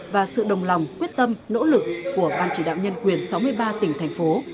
và sự đồng lòng quyết tâm nỗ lực của ban chỉ đạo nhân quyền sáu mươi ba tỉnh thành phố